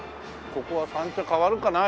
ここは三茶変わるかな？